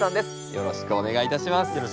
よろしくお願いします。